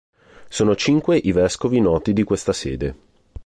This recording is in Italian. Sono cinque i vescovi noti di questa sede.